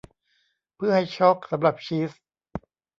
เพื่อให้ชอล์กสำหรับชีส